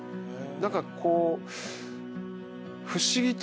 何かこう。